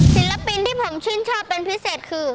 ศิลปินที่ผมชื่นชอบเป็นพิเศษคือ